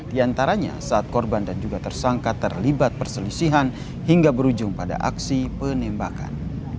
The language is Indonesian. di antaranya saat korban dan juga tersangka terlibat perselisihan hingga berujung pada aksi penembakan